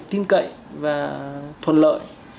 tin cậy và thuận lợi